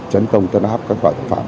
chấn công tân áp các vận phạm